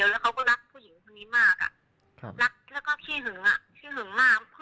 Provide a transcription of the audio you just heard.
แล้วเขาก็เหมือนกับโดดไล่ออกจากงานด้วย